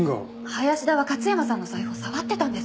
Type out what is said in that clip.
林田は勝山さんの財布を触ってたんです。